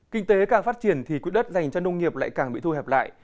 kinh tế càng phát triển thì quỹ đất dành cho nông nghiệp lại càng bị thu hẹp lại